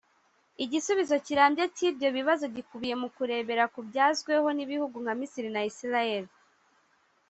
Igisubizo kirambye cy’ibyo bibazo gikubiye mu kurebera ku byazweho n’ibihugu nka Misiri na Israel